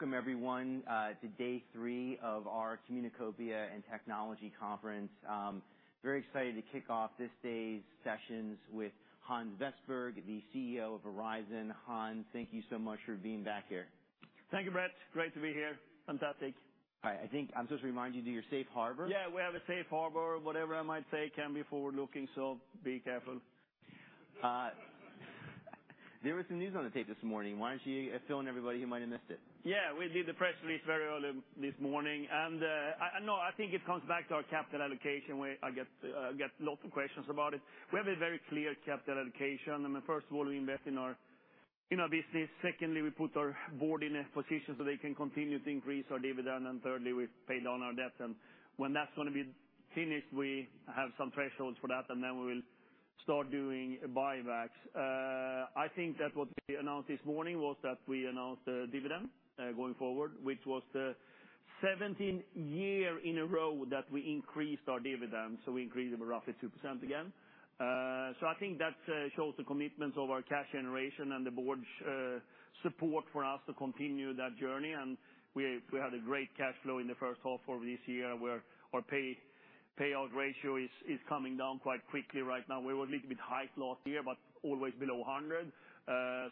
Welcome everyone, to day three of our Communacopia and Technology Conference. Very excited to kick off this day's sessions with Hans Vestberg, the CEO of Verizon. Hans, thank you so much for being back here. Thank you, Brett. Great to be here. Fantastic! All right. I think I'm supposed to remind you, do your safe harbor? Yeah, we have a safe harbor. Whatever I might say can be forward-looking, so be careful. There was some news on the tape this morning. Why don't you fill in everybody who might have missed it? Yeah, we did the press release very early this morning, and no, I think it comes back to our capital allocation, where I get lots of questions about it. We have a very clear capital allocation. I mean, first of all, we invest in our business. Secondly, we put our board in a position so they can continue to increase our dividend. And thirdly, we paid down our debt, and when that's gonna be finished, we have some thresholds for that, and then we will start doing buybacks. I think that what we announced this morning was that we announced a dividend going forward, which was the seventeenth year in a row that we increased our dividends. So we increased them roughly 2% again. So I think that shows the commitment of our cash generation and the board's support for us to continue that journey. And we had a great cash flow in the first half of this year, where our payout ratio is coming down quite quickly right now. We were a little bit high last year, but always below 100.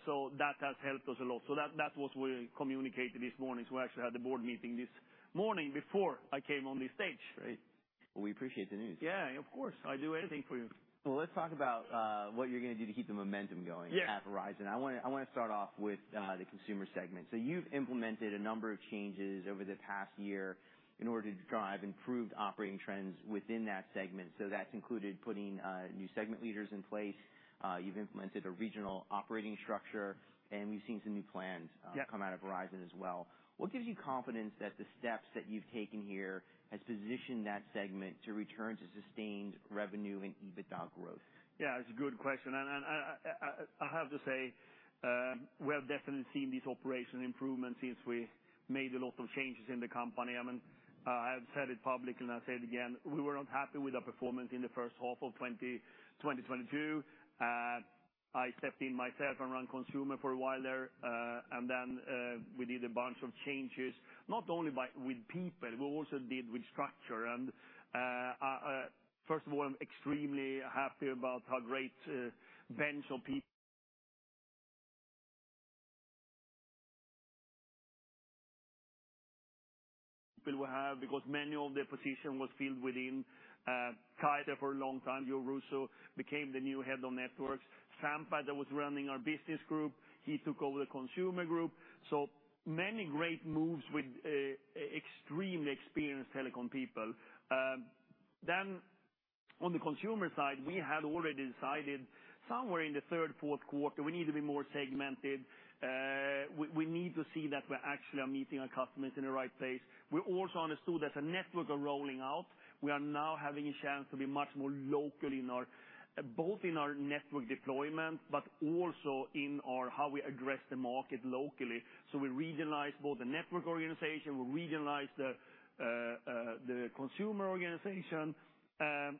So that has helped us a lot. So that's what we communicated this morning. So we actually had the board meeting this morning before I came on the stage. Great. Well, we appreciate the news. Yeah, of course. I'd do anything for you. Well, let's talk about what you're gonna do to keep the momentum going- Yeah at Verizon. I wanna start off with the consumer segment. So you've implemented a number of changes over the past year in order to drive improved operating trends within that segment. So that's included putting new segment leaders in place. You've implemented a regional operating structure, and we've seen some new plans- Yeah Come out of Verizon as well. What gives you confidence that the steps that you've taken here has positioned that segment to return to sustained revenue and EBITDA growth? Yeah, it's a good question, and I have to say, we have definitely seen these operational improvements since we made a lot of changes in the company. I mean, I've said it publicly, and I'll say it again: We were not happy with our performance in the first half of 2022. I stepped in myself and ran consumer for a while there, and then we did a bunch of changes, not only with people, we also did with structure. First of all, I'm extremely happy about our great bench of people we have, because many of the position was filled within quite a for a long time. Joe Russo became the new head of networks. Sampath, that was running our business group, he took over the consumer group. So many great moves with extremely experienced telecom people. Then on the consumer side, we had already decided somewhere in the third, fourth quarter, we need to be more segmented. We need to see that we're actually are meeting our customers in the right place. We also understood as a network of rolling out, we are now having a chance to be much more local in our both in our network deployment, but also in our how we address the market locally. So we regionalized both the network organization, we regionalized the consumer organization.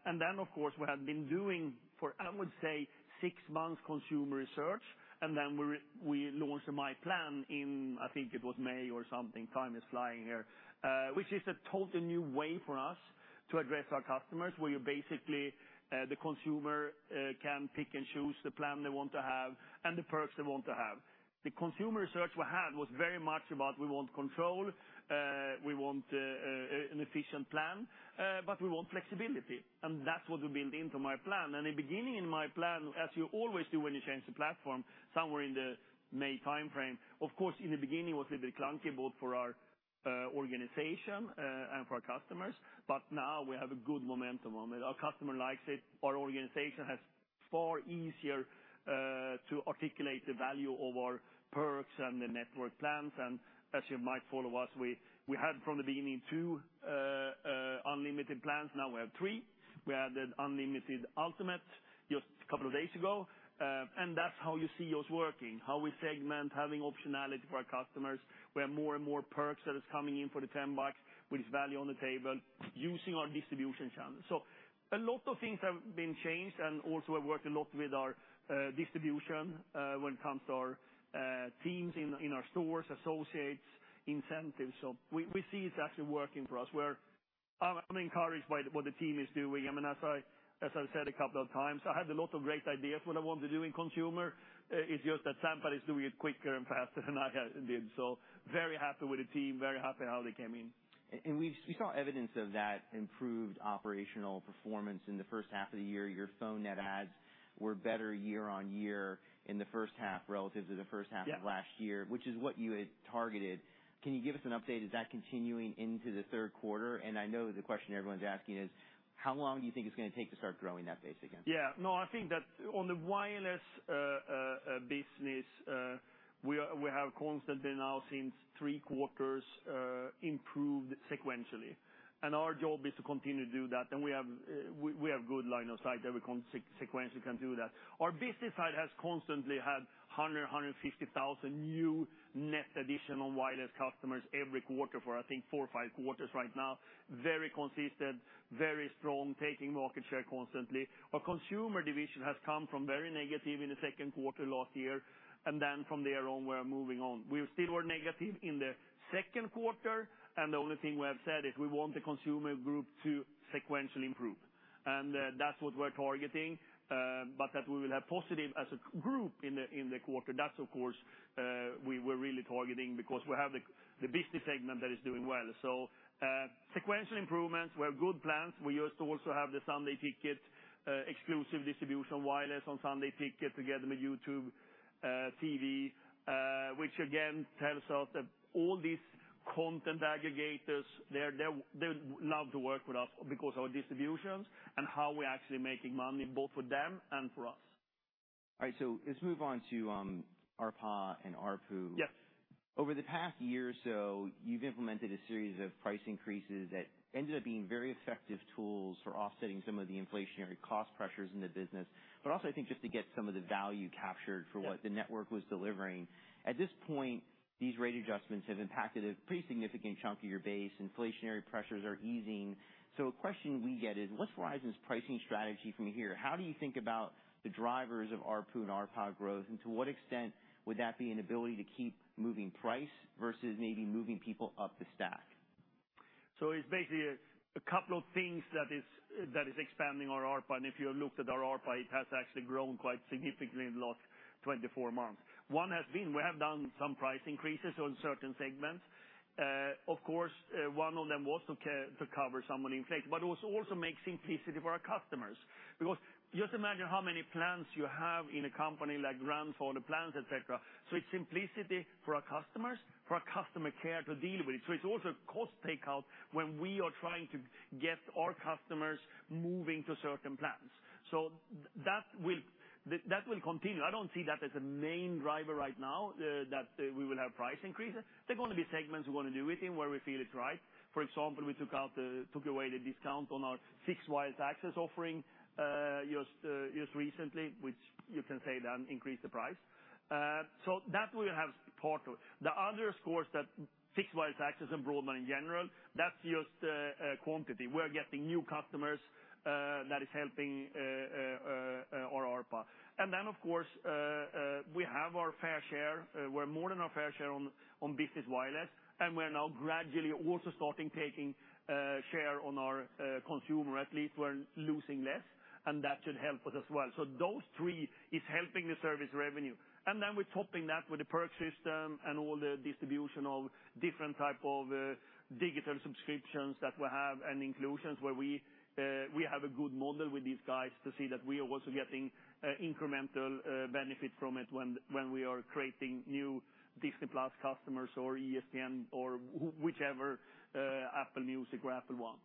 And then, of course, we have been doing for, I would say, six months, consumer research, and then we launched myPlan in, I think it was May or something, time is flying here. which is a totally new way for us to address our customers, where you basically the consumer can pick and choose the plan they want to have and the perks they want to have. The consumer research we had was very much about we want control, we want an efficient plan, but we want flexibility, and that's what we built into myPlan. And the beginning in myPlan, as you always do when you change the platform, somewhere in the May timeframe, of course, in the beginning, it was a little bit clunky, both for our organization and for our customers, but now we have a good momentum on it. Our customer likes it. Our organization has far easier to articulate the value of our perks and the network plans. As you might follow us, we had from the beginning two unlimited plans. Now we have three. We added Unlimited Ultimate just a couple of days ago. That's how you see us working, how we segment, having optionality for our customers. We have more and more perks that is coming in for the $10, with value on the table using our distribution channel. A lot of things have been changed, and also we're working a lot with our distribution when it comes to our teams in our stores, associates, incentives. We see it's actually working for us. I'm encouraged by what the team is doing. I mean, as I said a couple of times, I have a lot of great ideas what I want to do in consumer. It's just that Sampa is doing it quicker and faster than I did. So very happy with the team, very happy how they came in. We saw evidence of that improved operational performance in the first half of the year. Your phone net adds were better year-over-year in the first half, relative to the first half- Yeah of last year, which is what you had targeted. Can you give us an update? Is that continuing into the third quarter? I know the question everyone's asking is: How long do you think it's gonna take to start growing that base again? Yeah. No, I think that on the wireless business, we have constantly now, since three quarters, improved sequentially, and our job is to continue to do that. And we have good line of sight that we can sequentially do that. Our business side has constantly had 150,000 new net addition on wireless customers every quarter for, I think, four or five quarters right now. Very consistent, very strong, taking market share constantly. Our consumer division has come from very negative in the second quarter last year, and then from there on, we're moving on. We still were negative in the second quarter, and the only thing we have said is we want the consumer group to sequentially improve. and that's what we're targeting, but that we will have positive as a group in the quarter. That's, of course, we were really targeting, because we have the business segment that is doing well. So, sequential improvements. We have good plans. We used to also have the Sunday Ticket, exclusive distribution, wireless on Sunday Ticket, together with YouTube TV, which again tells us that all these content aggregators, they would love to work with us because our distributions and how we're actually making money, both for them and for us. All right, so let's move on to ARPA and ARPU. Yes. Over the past year or so, you've implemented a series of price increases that ended up being very effective tools for offsetting some of the inflationary cost pressures in the business, but also, I think, just to get some of the value captured- Yeah -for what the network was delivering. At this point, these rate adjustments have impacted a pretty significant chunk of your base. Inflationary pressures are easing. So a question we get is: What's Verizon's pricing strategy from here? How do you think about the drivers of ARPU and ARPA growth, and to what extent would that be an ability to keep moving price versus maybe moving people up the stack? So it's basically a couple of things that is expanding our ARPA. And if you looked at our ARPA, it has actually grown quite significantly in the last 24 months. One has been, we have done some price increases on certain segments. Of course, one of them was to cover some of the inflation, but it was also to make simplicity for our customers. Because just imagine how many plans you have in a company like Verizon for the plans, et cetera. So it's simplicity for our customers, for our customer care to deal with. So it's also cost takeout when we are trying to get our customers moving to certain plans. So that will continue. I don't see that as a main driver right now, that we will have price increases. There are gonna be segments we're gonna do it in, where we feel it's right. For example, we took away the discount on our fixed wireless access offering just recently, which you can say that increased the price. That we have part of. The other scores, that fixed wireless access and broadband in general, that's just quantity. We're getting new customers, that is helping our ARPA. Of course, we have our fair share. We're more than our fair share on business wireless, and we're now gradually also starting taking share on our consumer. At least we're losing less, and that should help us as well. Those three is helping the service revenue. And then we're topping that with the perk system and all the distribution of different type of digital subscriptions that we have, and inclusions, where we have a good model with these guys to see that we are also getting incremental benefit from it when we are creating new Disney+ customers or ESPN or whichever Apple Music or Apple One.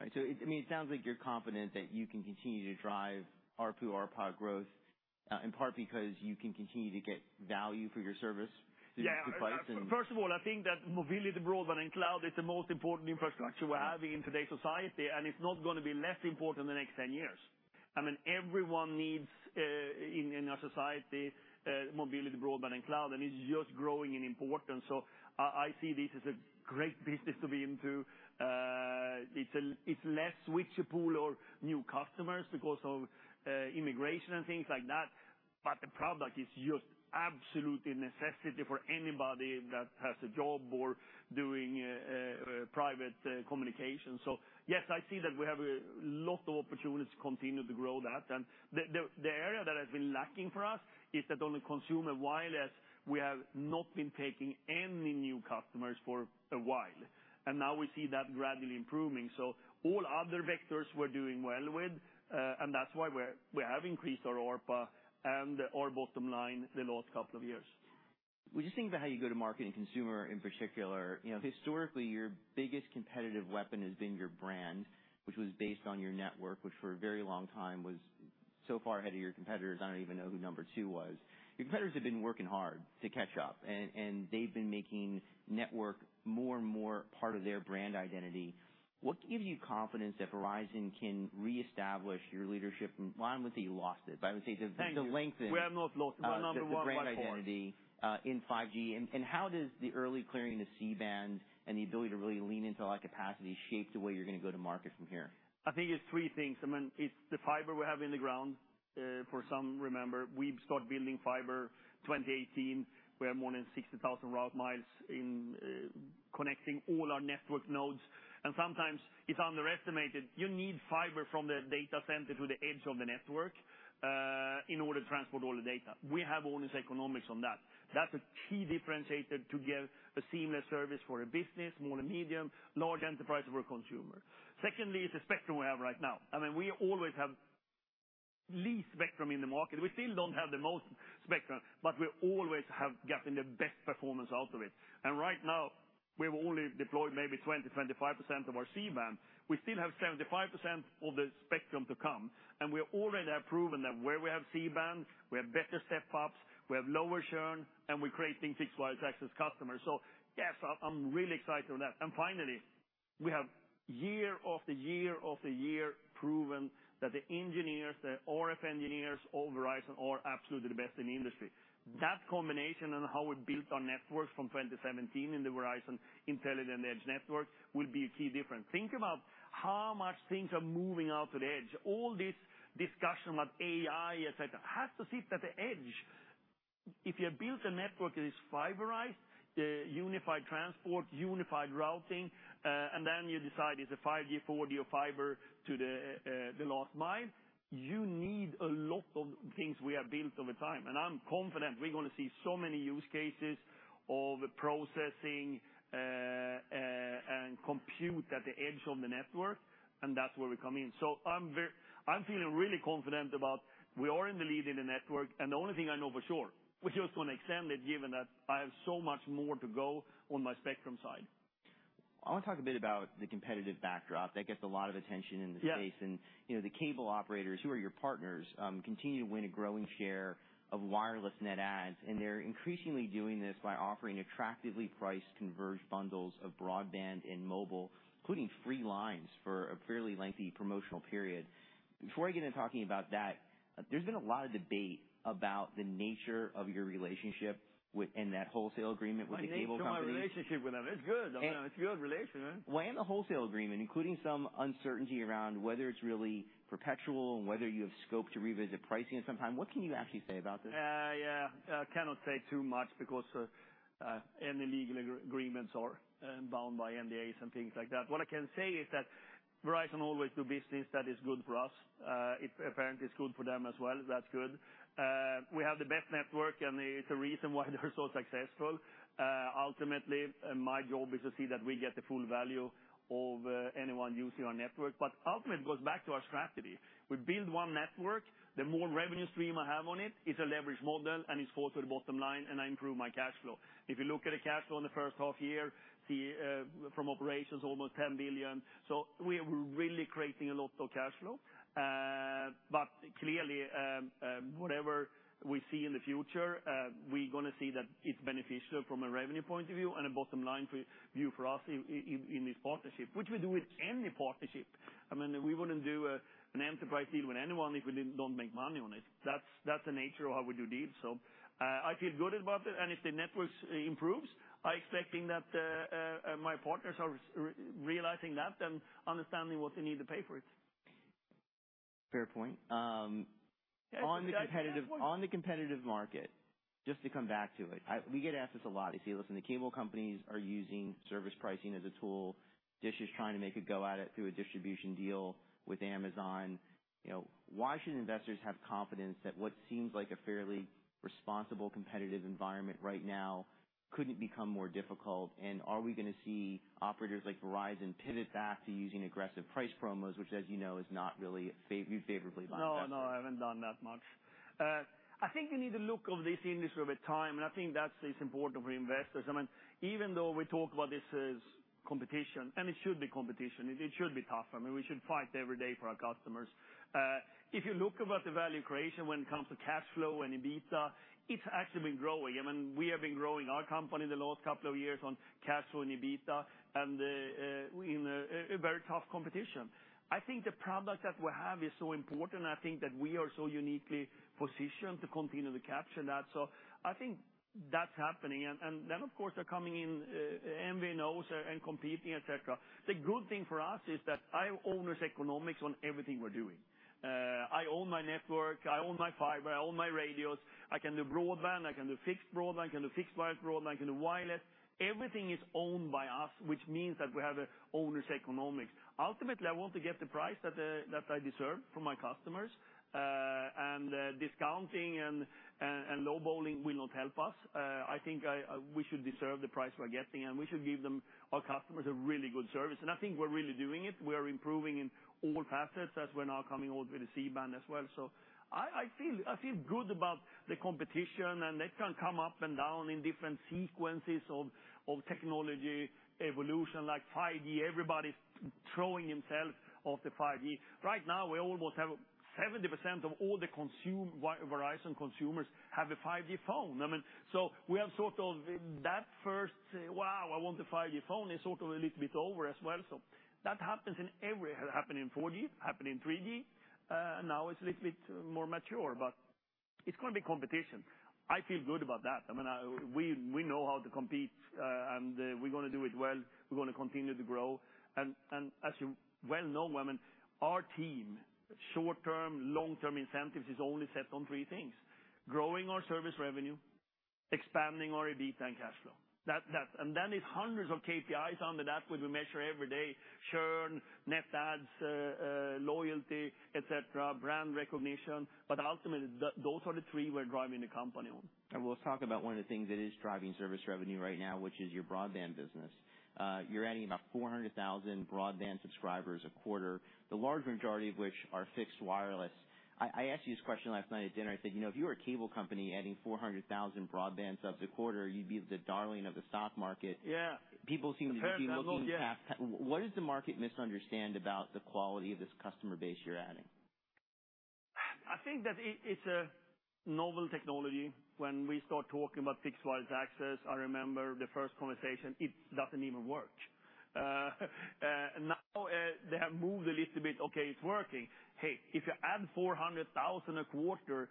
Right. So, I mean, it sounds like you're confident that you can continue to drive ARPU, ARPA growth, in part because you can continue to get value for your service- Yeah. through the device and- First of all, I think that mobility, broadband, and cloud is the most important infrastructure we're having in today's society, and it's not gonna be less important in the next 10 years. I mean, everyone needs, in our society, mobility, broadband, and cloud, and it's just growing in importance. So I see this as a great business to be into. It's less switchable or new customers because of immigration and things like that, but the product is just absolutely a necessity for anybody that has a job or doing private communication. So yes, I see that we have a lot of opportunities to continue to grow that. The area that has been lacking for us is that on the consumer wireless, we have not been taking any new customers for a while, and now we see that gradually improving. All other vectors we're doing well with, and that's why we have increased our ARPA and our bottom line the last couple of years. When you think about how you go to market and consumer in particular, you know, historically, your biggest competitive weapon has been your brand, which was based on your network, which for a very long time was so far ahead of your competitors, I don't even know who number two was. Your competitors have been working hard to catch up, and they've been making network more and more part of their brand identity. What gives you confidence that Verizon can reestablish your leadership, and I wouldn't say you lost it, but I would say- Thank you. -the lengthen- We have not lost. We're number one by far. The brand identity in 5G, and how does the early clearing of C-band and the ability to really lean into that capacity shape the way you're gonna go to market from here? I think it's three things. I mean, it's the fiber we have in the ground. For some, remember, we've started building fiber 2018, where more than 60,000 route miles in, connecting all our network nodes. And sometimes it's underestimated. You need fiber from the data center to the edge of the network, in order to transport all the data. We have all economics on that. That's a key differentiator to get a seamless service for a business, small and medium, large enterprise, or a consumer. Secondly, it's the spectrum we have right now. I mean, we always have least spectrum in the market. We still don't have the most spectrum, but we always have gotten the best performance out of it. And right now, we've only deployed maybe 20%-25% of our C-band. We still have 75% of the spectrum to come, and we already have proven that where we have C-band, we have better step-ups, we have lower churn, and we're creating fixed wireless access customers. So yes, I'm, I'm really excited with that. And finally, we have year-over-year proven that the engineers, the RF engineers, all Verizon, are absolutely the best in the industry. That combination and how it built our networks from 2017 in the Verizon Intelligent Edge Network will be a key difference. Think about how much things are moving out to the edge. All this discussion about AI, et cetera, has to sit at the edge... If you have built a network that is fiberized, the unified transport, unified routing, and then you decide it's a five-year, four-year fiber to the last mile, you need a lot of things we have built over time. I'm confident we're gonna see so many use cases of processing and compute at the edge of the network, and that's where we come in. I'm feeling really confident about we are in the lead in the network, and the only thing I know for sure, we're just gonna extend it, given that I have so much more to go on my spectrum side. I want to talk a bit about the competitive backdrop. That gets a lot of attention in the space. Yeah. You know, the cable operators, who are your partners, continue to win a growing share of wireless net adds, and they're increasingly doing this by offering attractively priced converged bundles of broadband and mobile, including free lines for a fairly lengthy promotional period. Before I get into talking about that, there's been a lot of debate about the nature of your relationship within that wholesale agreement with the cable company. My nature of my relationship with them, it's good. And- It's a good relationship. Why, in the wholesale agreement, including some uncertainty around whether it's really perpetual and whether you have scope to revisit pricing at some time, what can you actually say about this? Yeah, I cannot say too much because any legal agreements are bound by NDAs and things like that. What I can say is that Verizon always do business that is good for us. It apparently is good for them as well, that's good. We have the best network, and it's a reason why they're so successful. Ultimately, my job is to see that we get the full value of anyone using our network. But ultimately, it goes back to our strategy. We build one network. The more revenue stream I have on it, it's a leverage model, and it's forward to the bottom line, and I improve my cash flow. If you look at the cash flow in the first half year from operations, almost $10 billion. So we're really creating a lot of cash flow. But clearly, whatever we see in the future, we're gonna see that it's beneficial from a revenue point of view and a bottom-line preview for us in this partnership, which we do with any partnership. I mean, we wouldn't do an enterprise deal with anyone if we didn't don't make money on it. That's the nature of how we do deals. So, I feel good about it, and if the networks improves, I expecting that my partners are realizing that and understanding what they need to pay for it. Fair point. Yeah. On the competitive, on the competitive market, just to come back to it, we get asked this a lot. You see, listen, the cable companies are using service pricing as a tool. DISH is trying to make a go at it through a distribution deal with Amazon. You know, why should investors have confidence that what seems like a fairly responsible, competitive environment right now couldn't become more difficult? And are we gonna see operators like Verizon pivot back to using aggressive price promos, which, as you know, is not really favorably viewed by investors? No, no, I haven't done that much. I think you need to look at this industry over time, and I think that is important for investors. I mean, even though we talk about this as competition, and it should be competition, it should be tough. I mean, we should fight every day for our customers. If you look at the value creation when it comes to cash flow and EBITDA, it's actually been growing. I mean, we have been growing our company the last couple of years on cash flow and EBITDA and, in a very tough competition. I think the product that we have is so important, I think that we are so uniquely positioned to continue to capture that. So I think that's happening. And then, of course, they're coming in, MVNOs and competing, et cetera. The good thing for us is that I own this economics on everything we're doing. I own my network, I own my fiber, I own my radios. I can do broadband, I can do fixed broadband, I can do fixed line broadband, I can do wireless. Everything is owned by us, which means that we have the owner's economics. Ultimately, I want to get the price that that I deserve from my customers, and discounting and lowballing will not help us. I think we should deserve the price we're getting, and we should give them, our customers, a really good service, and I think we're really doing it. We are improving in all facets as we're now coming out with the C-band as well. So I feel good about the competition, and they can come up and down in different sequences of technology evolution, like 5G. Everybody's throwing himself off the 5G. Right now, we almost have 70% of all the consumer Verizon consumers have a 5G phone. I mean, so we have sort of that first, say, "Wow, I want the 5G phone," is sort of a little bit over as well. So that happens in every... It happened in 4G, happened in 3G, and now it's a little bit more mature, but it's gonna be competition. I feel good about that. I mean, we know how to compete, and we're gonna do it well. We're gonna continue to grow. As you well know, I mean, our team short-term, long-term incentives is only set on three things: growing our service revenue, expanding our EBITDA and cash flow. That, and then it's hundreds of KPIs under that, which we measure every day, churn, Net Adds, loyalty, et cetera, brand recognition. But ultimately, those are the three we're driving the company on. We'll talk about one of the things that is driving service revenue right now, which is your broadband business. You're adding about 400,000 broadband subscribers a quarter, the large majority of which are fixed wireless. I, I asked you this question last night at dinner. I said, "You know, if you were a cable company adding 400,000 broadband subs a quarter, you'd be the darling of the stock market. Yeah. People seem to be looking- Apparently not yet. What does the market misunderstand about the quality of this customer base you're adding? I think that it, it's a novel technology. When we start talking about fixed wireless access, I remember the first conversation: It doesn't even work. Now, they have moved a little bit, "Okay, it's working." Hey, if you add 400,000 a quarter,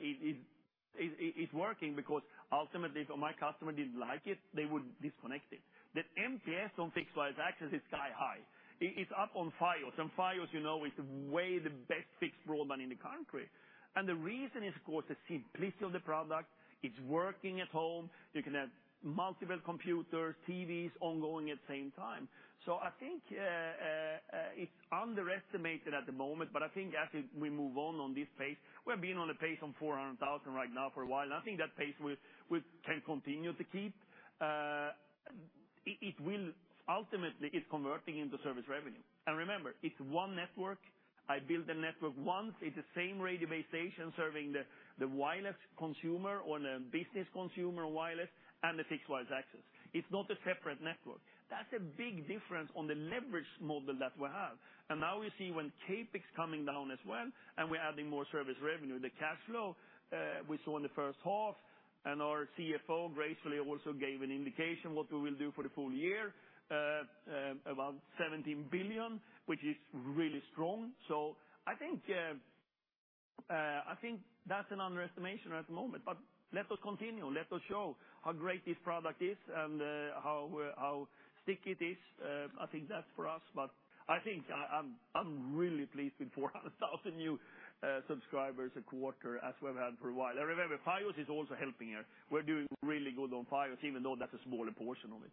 it's working because ultimately, if my customer didn't like it, they would disconnect it. The NPS on fixed wireless access is sky high. It is up on Fios, and Fios, you know, is way the best fixed broadband in the country. And the reason is, of course, the simplicity of the product. It's working at home. You can have multiple computers, TVs ongoing at the same time. So I think it's underestimated at the moment, but I think as we move on, on this pace, we've been on a pace on 400,000 right now for a while, and I think that pace we can continue to keep. It will ultimately, it's converting into service revenue. And remember, it's one network. I build the network once, it's the same radio base station serving the wireless consumer or the business consumer wireless and the fixed wireless access. It's not a separate network. That's a big difference on the leverage model that we have. And now we see when CapEx coming down as well, and we're adding more service revenue. The cash flow we saw in the first half, and our CFO gracefully also gave an indication what we will do for the full year, about $17 billion, which is really strong. So I think, I think that's an underestimation at the moment, but let us continue. Let us show how great this product is and, how sticky it is. I think that's for us, but I think I'm really pleased with 400,000 new subscribers a quarter, as we've had for a while. And remember, Fios is also helping here. We're doing really good on Fios, even though that's a smaller portion of it.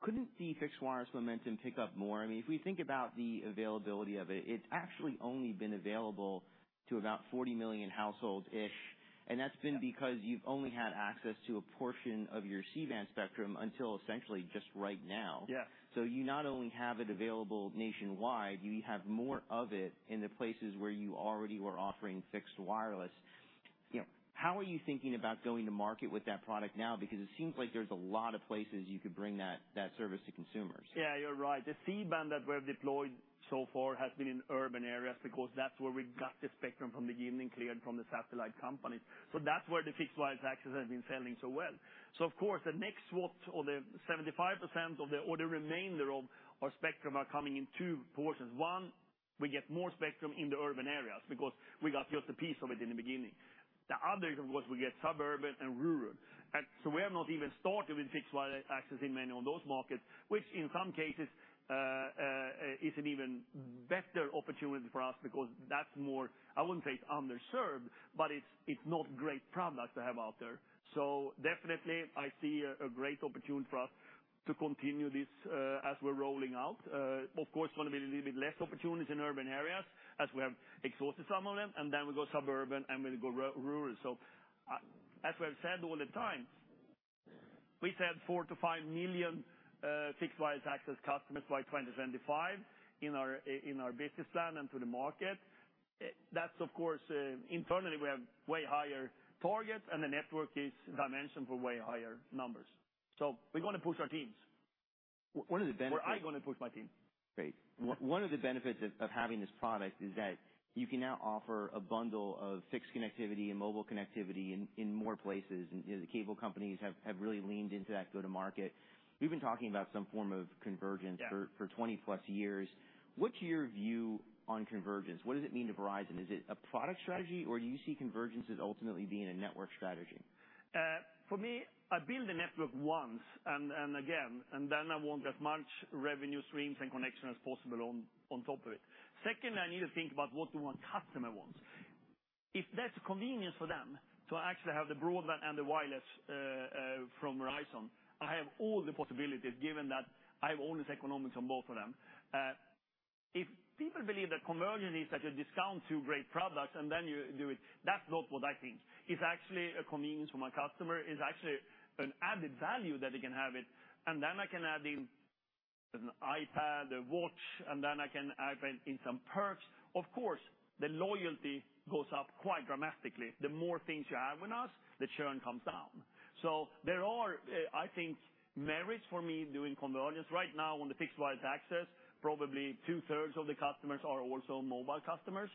Couldn't the fixed wireless momentum pick up more? I mean, if we think about the availability of it, it's actually only been available to about 40 million household-ish, and that's been because you've only had access to a portion of your C-band spectrum until essentially just right now. Yeah. So you not only have it available nationwide, you have more of it in the places where you already were offering fixed wireless. You know, how are you thinking about going to market with that product now? Because it seems like there's a lot of places you could bring that, that service to consumers. Yeah, you're right. The C-band that we've deployed so far has been in urban areas because that's where we got the spectrum from the beginning, cleared from the satellite company. So that's where the fixed wireless access has been selling so well. So of course, the next swap, or the 75% of the... or the remainder of our spectrum are coming in two portions. One, we get more spectrum in the urban areas because we got just a piece of it in the beginning. The other was we get suburban and rural. And so we have not even started with fixed wireless access in many of those markets, which in some cases, is an even better opportunity for us, because that's more, I wouldn't say it's underserved, but it's, it's not great product to have out there. So definitely, I see a great opportunity for us to continue this as we're rolling out. Of course, it's gonna be a little bit less opportunities in urban areas as we have exhausted some of them, and then we go suburban, and we go rural. So, as we've said all the time, we've said 4-5 million fixed wireless access customers by 2025 in our business plan and to the market. That's of course, internally, we have way higher targets, and the network is dimensioned for way higher numbers. So we're gonna push our teams. One of the benefits- We're gonna push my team. Great. One of the benefits of having this product is that you can now offer a bundle of fixed connectivity and mobile connectivity in more places, and, you know, the cable companies have really leaned into that go-to-market. We've been talking about some form of convergence- Yeah. for 20+ years. What's your view on convergence? What does it mean to Verizon? Is it a product strategy, or do you see convergence as ultimately being a network strategy? For me, I build the network once and again, and then I want as much revenue streams and connection as possible on top of it. Second, I need to think about what do my customer wants. If that's convenient for them to actually have the broadband and the wireless from Verizon, I have all the possibilities, given that I have all the economics on both of them. If people believe that convergence is at a discount to great products, and then you do it, that's not what I think. It's actually a convenience for my customer. It's actually an added value that they can have it, and then I can add in an iPad, a watch, and then I can add in some perks. Of course, the loyalty goes up quite dramatically. The more things you have with us, the churn comes down. So there are, I think, merits for me doing convergence. Right now on the fixed wireless access, probably two-thirds of the customers are also mobile customers.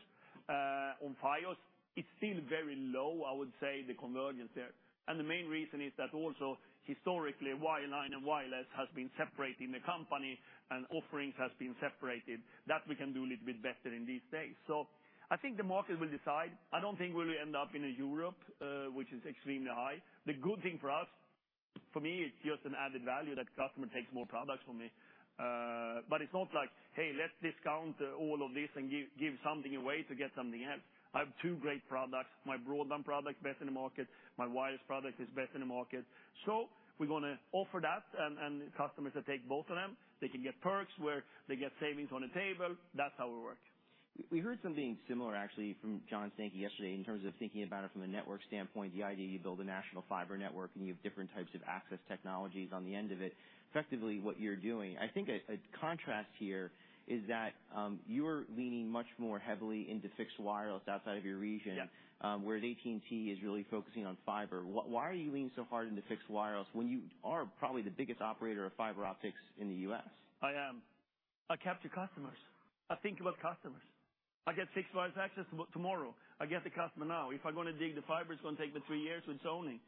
On Fios, it's still very low, I would say, the convergence there. And the main reason is that also, historically, wireline and wireless has been separate in the company, and offerings has been separated. That we can do a little bit better in these days. So I think the market will decide. I don't think we'll end up in a Europe, which is extremely high. The good thing for us, for me, it's just an added value that customer takes more products from me. But it's not like, "Hey, let's discount, all of this and give, give something away to get something else." I have two great products. My broadband product, best in the market. My wireless product is best in the market. So we're gonna offer that, and customers that take both of them, they can get perks, where they get savings on the table. That's how it work. We heard something similar, actually, from John Stankey yesterday, in terms of thinking about it from a network standpoint, the idea you build a national fiber network, and you have different types of access technologies on the end of it. Effectively, what you're doing... I think a contrast here is that, you're leaning much more heavily into fixed wireless outside of your region- Yeah. Whereas AT&T is really focusing on fiber. Why are you leaning so hard into fixed wireless when you are probably the biggest operator of fiber optics in the U.S.? I am. I capture customers. I think about customers. I get Fixed Wireless Access tomorrow. I get the customer now. If I'm gonna dig, the fiber is gonna take me three years with zoning.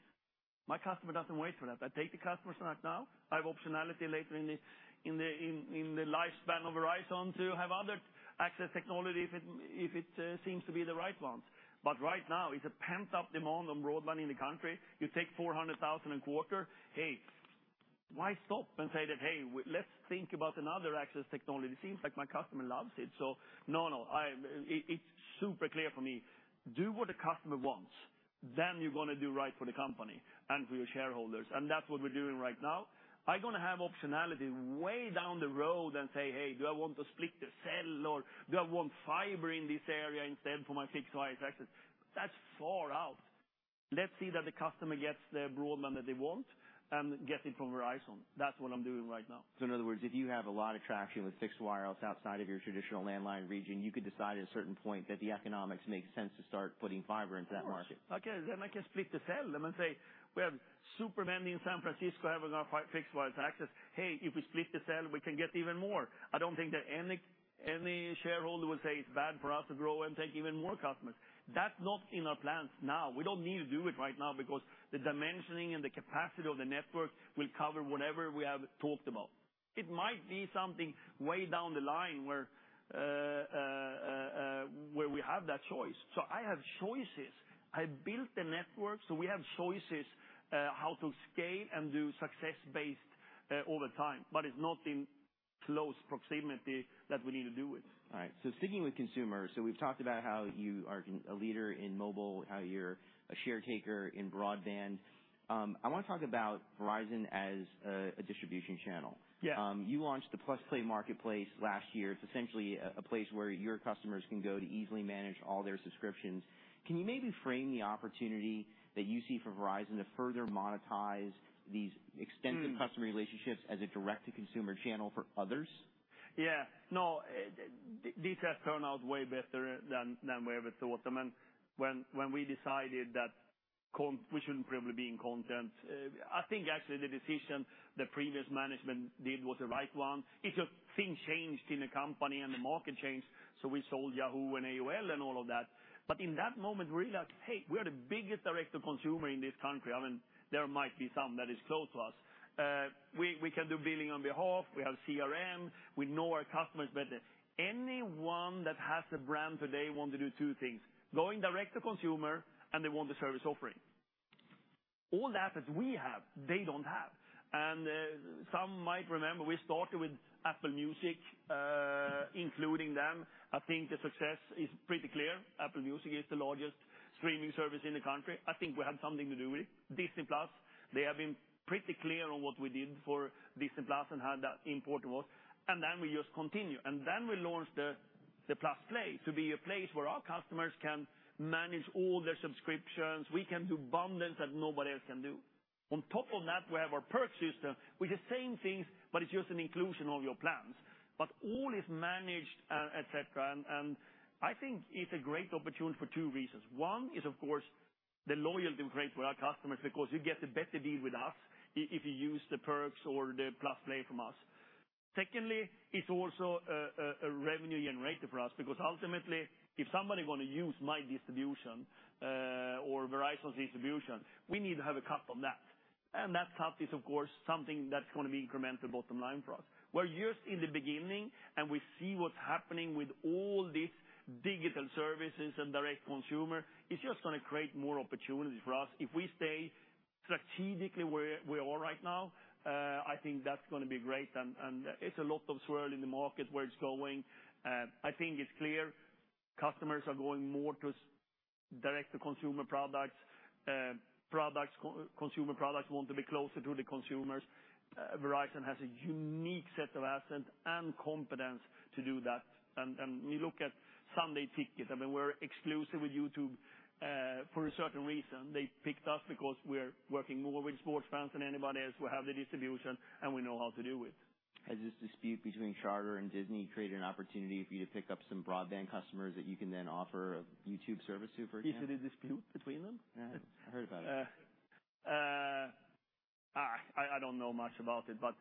My customer doesn't wait for that. I take the customers right now. I have optionality later in the lifespan of Verizon to have other access technology if it seems to be the right one. But right now, it's a pent-up demand on broadband in the country. You take 400,000 a quarter. Hey, why stop and say that, "Hey, let's think about another access technology?" It seems like my customer loves it. So no, it's super clear for me. Do what the customer wants, then you're gonna do right for the company and for your shareholders, and that's what we're doing right now. I'm gonna have optionality way down the road and say, "Hey, do I want to split the cell, or do I want fiber in this area instead for my fixed wireless access?" That's far out. Let's see that the customer gets the broadband that they want and gets it from Verizon. That's what I'm doing right now. In other words, if you have a lot of traction with fixed wireless outside of your traditional landline region, you could decide at a certain point that the economics make sense to start putting fiber into that market. Of course. I can, then I can split the cell and then say, "We have Super Bowl in San Francisco, having our fixed wireless access. Hey, if we split the cell, we can get even more." I don't think that any shareholder would say it's bad for us to grow and take even more customers. That's not in our plans now. We don't need to do it right now because the dimensioning and the capacity of the network will cover whatever we have talked about. It might be something way down the line where we have that choice. So I have choices. I built the network, so we have choices how to scale and do success based over time, but it's not in close proximity that we need to do it. All right, so sticking with consumers, so we've talked about how you are a leader in mobile, how you're a share taker in broadband. I wanna talk about Verizon as a distribution channel. Yeah. You launched the +play marketplace last year. It's essentially a place where your customers can go to easily manage all their subscriptions. Can you maybe frame the opportunity that you see for Verizon to further monetize these extensive- Mm. customer relationships as a direct-to-consumer channel for others? Yeah. No, this has turned out way better than we ever thought. I mean, when we decided that we shouldn't probably be in content, I think actually the decision the previous management did was the right one. It's, things changed in the company and the market changed, so we sold Yahoo! and AOL and all of that. But in that moment, we realized, hey, we are the biggest direct-to-consumer in this country. I mean, there might be some that is close to us. We can do billing on behalf, we have CRM, we know our customers better. Anyone that has the brand today want to do two things, going direct to consumer, and they want the service offering. All the assets we have, they don't have. And some might remember, we started with Apple Music, including them. I think the success is pretty clear. Apple Music is the largest streaming service in the country. I think we had something to do with it. Disney+, they have been pretty clear on what we did for Disney+ and how that important was, and then we just continue. And then we launched the +play to be a place where our customers can manage all their subscriptions. We can do bundles that nobody else can do. On top of that, we have our perks system with the same things, but it's just an inclusion of your plans. But all is managed, et cetera, and I think it's a great opportunity for two reasons. One is, of course, the loyalty we create with our customers, because you get the better deal with us if you use the perks or the +play from us. Secondly, it's also a revenue generator for us, because ultimately, if somebody wanna use my distribution, or Verizon's distribution, we need to have a cut from that. And that cut is, of course, something that's gonna be incremental bottom line for us. We're just in the beginning, and we see what's happening with all these digital services and direct consumer. It's just gonna create more opportunities for us. If we stay strategically where we are right now, I think that's gonna be great, and it's a lot of swirl in the market where it's going. I think it's clear customers are going more to direct-to-consumer products, consumer products want to be closer to the consumers. Verizon has a unique set of assets and competence to do that. And you look at Sunday Ticket, I mean, we're exclusive with YouTube for a certain reason. They picked us because we're working more with sports fans than anybody else. We have the distribution, and we know how to do it. Has this dispute between Charter and Disney created an opportunity for you to pick up some broadband customers that you can then offer a YouTube service to, for example? Is it a dispute between them? Yeah, I heard about it. I don't know much about it, but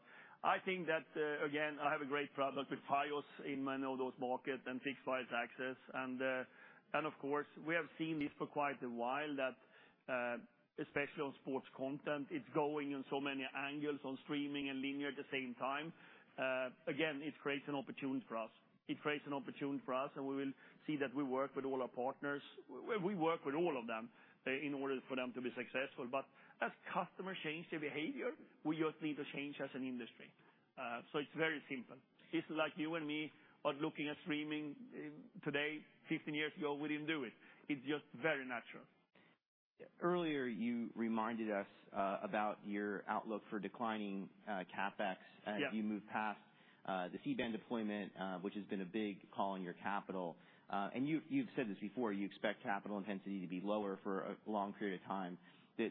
I think that again, I have a great product with Fios in many of those markets and Fixed Wireless Access. And of course, we have seen this for quite a while, that especially on sports content, it's going in so many angles on streaming and linear at the same time. Again, it creates an opportunity for us. It creates an opportunity for us, and we will see that we work with all our partners. We work with all of them in order for them to be successful. But as customers change their behavior, we just need to change as an industry. So it's very simple. It's like you and me are looking at streaming today. 15 years ago, we didn't do it. It's just very natural. Earlier, you reminded us about your outlook for declining CapEx- Yeah... as you move past, the C-band deployment, which has been a big call on your capital. And you, you've said this before, you expect capital intensity to be lower for a long period of time. The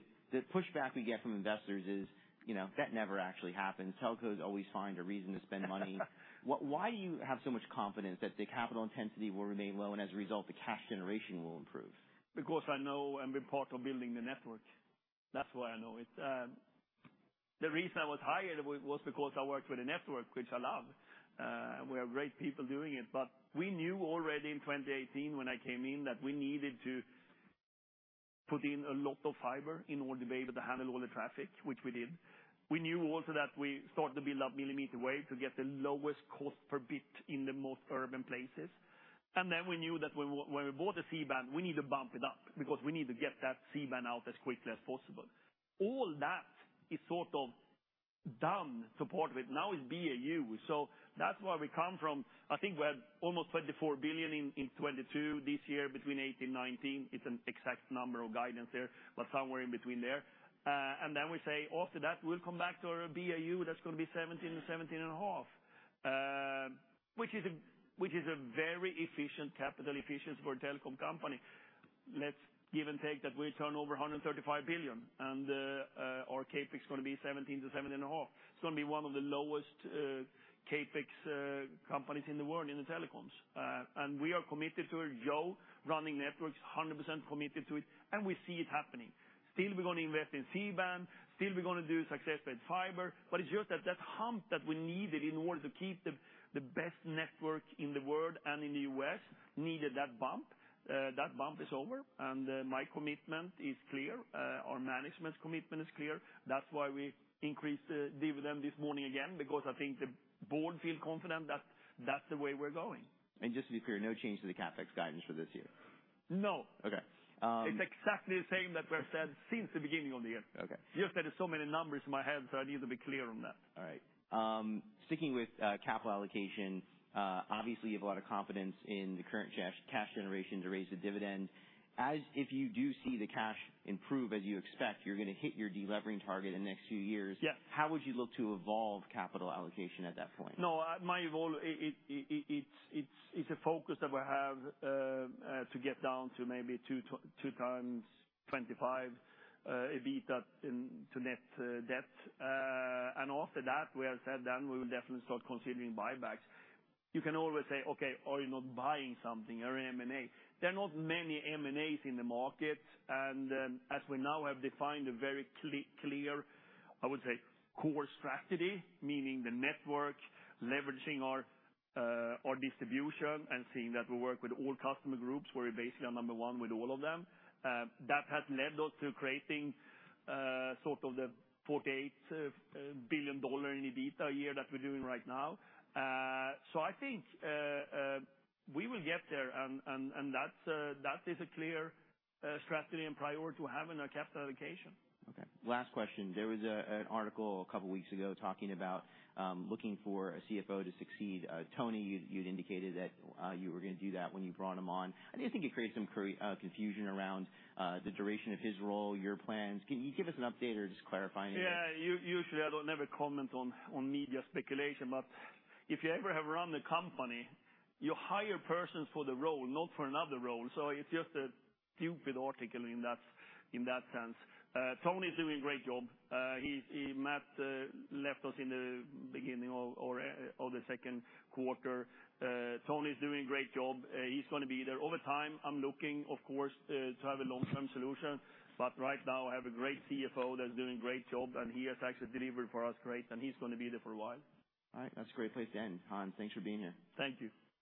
pushback we get from investors is, you know, that never actually happens. Telcos always find a reason to spend money. Why do you have so much confidence that the capital intensity will remain low, and as a result, the cash generation will improve? Because I know and been part of building the network. That's why I know it. The reason I was hired was because I worked with a network, which I love. We have great people doing it, but we knew already in 2018 when I came in, that we needed to put in a lot of fiber in order to be able to handle all the traffic, which we did. We knew also that we start to build up Millimeter Wave to get the lowest cost per bit in the most urban places. And then we knew that when we bought the C-band, we need to bump it up because we need to get that C-band out as quickly as possible. All that is sort of done to part with, now is BAU. So that's where we come from. I think we had almost $24 billion in 2022. This year, between $18 billion and $19 billion, it's an exact number of guidance there, but somewhere in between there. And then we say, after that, we'll come back to our BAU, that's gonna be $17 billion to $17.5 billion. Which is a very efficient, capital efficient for a telecom company. Let's give and take that we turn over $135 billion, and our CapEx is gonna be $17 billion to $17.5 billion. It's gonna be one of the lowest CapEx companies in the world in the telecoms. And we are committed to it. Joe, running networks, 100% committed to it, and we see it happening. Still, we're gonna invest in C-band, still we're gonna do success with fiber, but it's just that, that hump that we needed in order to keep the, the best network in the world and in the U.S., needed that bump. That bump is over, and my commitment is clear. Our management's commitment is clear. That's why we increased the dividend this morning again, because I think the board feel confident that that's the way we're going. Just to be clear, no change to the CapEx guidance for this year? No. Okay, um- It's exactly the same that we've said since the beginning of the year. Okay. Just that there's so many numbers in my head, so I need to be clear on that. All right. Sticking with capital allocation, obviously, you have a lot of confidence in the current cash, cash generation to raise the dividend. As if you do see the cash improve as you expect, you're gonna hit your deleveraging target in the next few years. Yeah. How would you look to evolve capital allocation at that point? No, my goal is—it's a focus that we have to get down to maybe 2 to 2.5x net debt to EBITDA. And after that, we have said then we will definitely start considering buybacks. You can always say, "Okay, are you not buying something or M&A?" There are not many M&As in the market, and as we now have defined a very clear, I would say, core strategy, meaning the network, leveraging our our distribution and seeing that we work with all customer groups, where we're basically number one with all of them. That has led us to creating sort of the $48 billion in EBITDA a year that we're doing right now. So I think we will get there, and that is a clear strategy and priority to have in our capital allocation. Okay. Last question. There was an article a couple of weeks ago talking about looking for a CFO to succeed Tony. You'd indicated that you were gonna do that when you brought him on. I think it created some confusion around the duration of his role, your plans. Can you give us an update or just clarify anything? Yeah, usually, I don't never comment on media speculation, but if you ever have run the company, you hire persons for the role, not for another role. So it's just a stupid article in that sense. Tony is doing a great job. Matt left us in the beginning of the second quarter. Tony is doing a great job. He's gonna be there. Over time, I'm looking, of course, to have a long-term solution, but right now, I have a great CFO that's doing a great job, and he has actually delivered for us great, and he's gonna be there for a while. All right. That's a great place to end, Hans. Thanks for being here. Thank you.